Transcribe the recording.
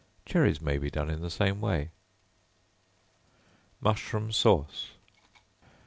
Cherries may be done in the same way. Mushroom Sauce.